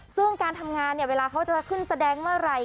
ซึ่งการทำงานเนี่ยเวลาเขาจะขึ้นแสดงเมื่อไหร่